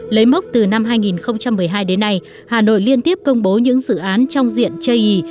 lấy mốc từ năm hai nghìn một mươi hai đến nay hà nội liên tiếp công bố những dự án trong diện chây ý